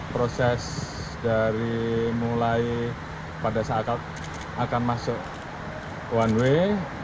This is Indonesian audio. proses dari mulai pada saat akan masuk one way